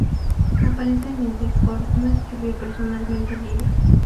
Aparentemente Ford no escribió personalmente el libro.